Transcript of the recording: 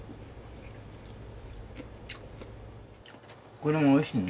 これもおいしいね。